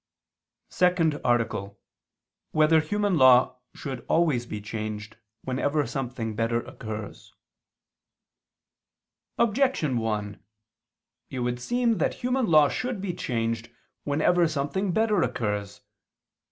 ________________________ SECOND ARTICLE [I II, Q. 97, Art. 2] Whether Human Law Should Always Be Changed, Whenever Something Better Occurs? Objection 1: It would seem that human law should be changed, whenever something better occurs.